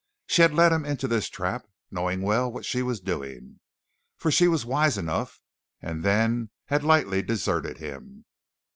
She had led him into this trap, knowing well what she was doing for she was wise enough and then had lightly deserted him.